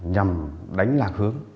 nhằm đánh lạc hướng